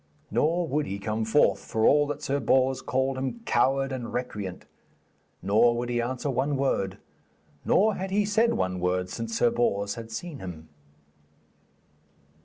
Nor would he come forth, for all that Sir Bors called him coward and recreant. Nor would he answer one word, nor had he said one word since Sir Bors had seen him.